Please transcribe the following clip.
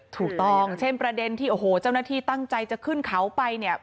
ถูกต้องเช่นประเด็นที่โอ้โหเจ้าหน้าที่ตั้งใจจะขึ้นเขาไปเนี่ย